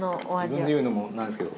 自分で言うのもなんですけど。